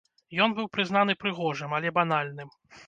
Ён быў прызнаны прыгожым, але банальным.